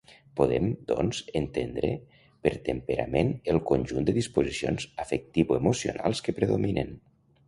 Podem, doncs, entendre per temperament el conjunt de disposicions afectivo-emocionals que predominen.